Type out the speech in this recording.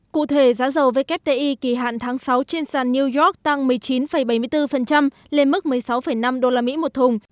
cụ thể giá dầu wti kỳ hạn tháng sáu trên sàn new york tăng một mươi chín bảy mươi bốn lên mức một mươi sáu năm usd một thùng